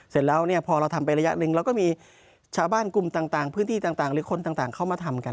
เสร็จแล้วเนี่ยพอเราทำไประยะหนึ่งเราก็มีชาวบ้านกลุ่มต่างพื้นที่ต่างหรือคนต่างเข้ามาทำกัน